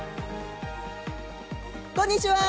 こんにちは！